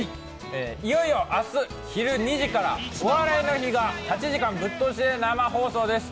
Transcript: いよいよ明日、昼２時から「お笑いの日」が８時間ぶっ通しで生放送です。